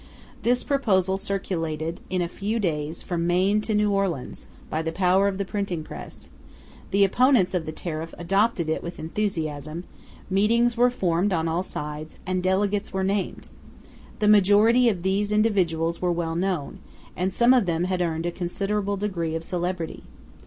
This proposal circulated in a few days from Maine to New Orleans by the power of the printing press: the opponents of the tariff adopted it with enthusiasm; meetings were formed on all sides, and delegates were named. The majority of these individuals were well known, and some of them had earned a considerable degree of celebrity.